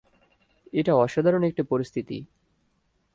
এটা অসাধারণ একটা পরিস্থিতি।